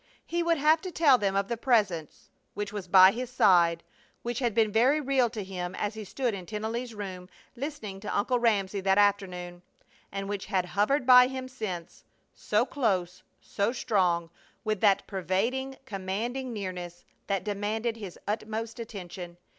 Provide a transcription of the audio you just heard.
He would have to tell them of the Presence which was by his side, which had been very real to him as he stood in Tennelly's room listening to Uncle Ramsey that afternoon, and which had hovered by him since, so close, so strong, with that pervading, commanding nearness that demanded his utmost attention.